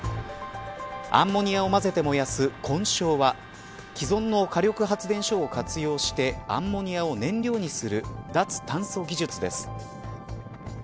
アンモニアをまぜて燃やす混焼は既存の火力発電所を活用してアンモニアを燃料にする脱炭素技術です。